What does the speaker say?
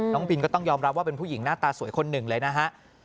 บินก็ต้องยอมรับว่าเป็นผู้หญิงหน้าตาสวยคนหนึ่งเลยนะฮะ